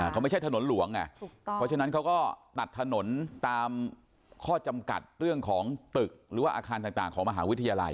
เขาไม่ใช่ถนนหลวงไงถูกต้องเพราะฉะนั้นเขาก็ตัดถนนตามข้อจำกัดเรื่องของตึกหรือว่าอาคารต่างของมหาวิทยาลัย